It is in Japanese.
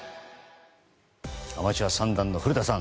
アマチュア三段の古田さん